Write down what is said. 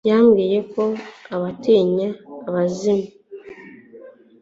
yambwiye ko adatinya abazimu